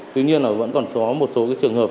tuy nhiên là vẫn còn có một số trường hợp